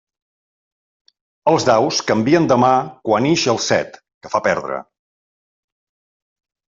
Els daus canvien de mà quan ix el set, que fa perdre.